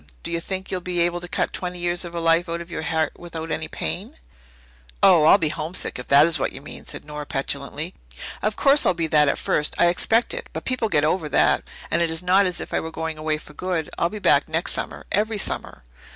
Do you think you'll be able to cut twenty years of a life out of your heart without any pain?" "Oh, I'll be homesick, if that is what you mean," said Nora petulantly. "Of course I'll be that at first. I expect it but people get over that. And it is not as if I were going away for good. I'll be back next summer every summer."